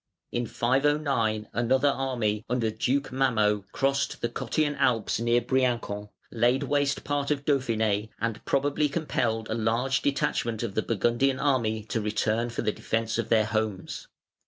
In 509 another army, under Duke Mammo, crossed the Cottian Alps near Briancon, laid waste part of Dauphiné, and probably compelled a large detachment of the Burgundian army to return for the defence of their homes.